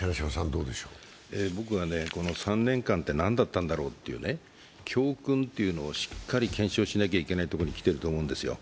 僕はこの３年間って何だったんだろうという、教訓というのをしっかり検証しなきゃいけないところに来ていると思うんですよ。